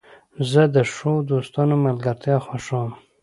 زه د ښو دوستانو ملګرتیا خوښوم.